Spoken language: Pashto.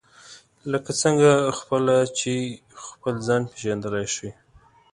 لکه څنګه خپله چې خپل ځان پېژندلای شئ.